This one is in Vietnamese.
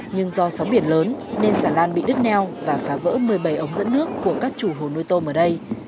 nhưng do sóng biển lớn nên sản lan bị đứt neo và phá vỡ một mươi bảy ống dẫn nước của các chủ hồ nuôi tôm ở đây